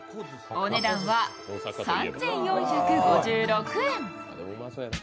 お値段は３４５６円。